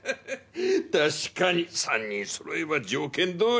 確かに３人そろえば条件どおり！